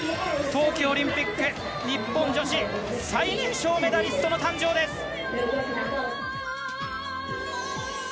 冬季オリンピック日本女子最年少メダリストの誕生です！